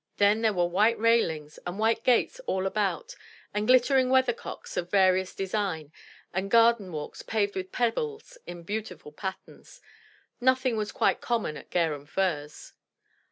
Then there were white railings and white gates all about and glittering weathercocks of various design, and garden walks paved with pebbles in beautiful patterns, — ^nothing was quite common at Garum Firs.